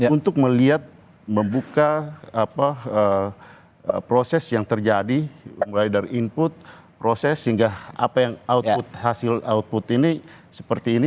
untuk melihat membuka proses yang terjadi mulai dari input proses hingga apa yang output hasil output ini seperti ini